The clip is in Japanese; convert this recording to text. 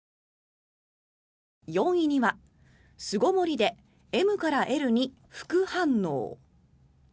４位には「巣ごもりでＭからＬに服反応」。